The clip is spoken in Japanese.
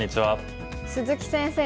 鈴木先生